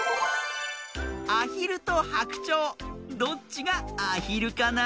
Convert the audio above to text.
アヒルとハクチョウどっちがアヒルかな？